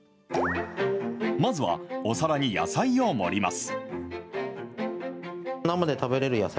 まずは、お皿に野菜を盛ります。